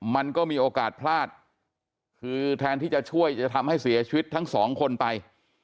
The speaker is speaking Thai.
มันก็มีโอกาสพลาดคือแทนที่จะช่วยจะทำให้เสียชีวิตทั้งสองคนไป